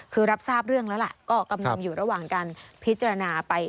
คือรับทราบเรื่องแล้วล่ะก็กำลังอยู่ระหว่างการพิจารณาไป